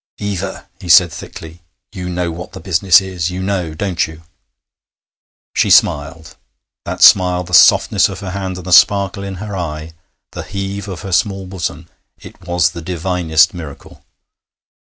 'Eva,' he said thickly, 'you know what the business is; you know, don't you?' She smiled. That smile, the softness of her hand, the sparkle in her eye, the heave of her small bosom ... it was the divinest miracle!